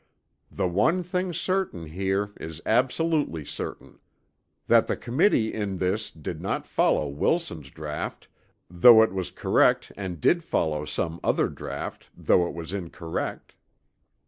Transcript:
The one thing certain here is absolutely certain that the Committee in this did not follow Wilson's draught though it was correct and did follow some other draught though it was incorrect.